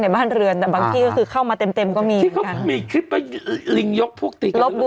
บางที่เข้ามาเต็มก็มีเหมือนกันลิงยกพวกตีกัน